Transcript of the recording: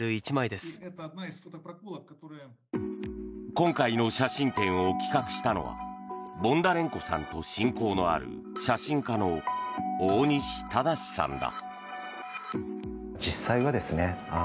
今回の写真展を企画したのはボンダレンコさんと親交のある写真家の大西正さんだ。